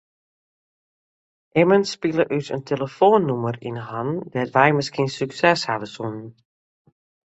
Immen spile ús in telefoannûmer yn hannen dêr't wy miskien sukses hawwe soene.